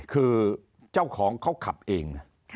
คือเจ้าของเขาขับเอง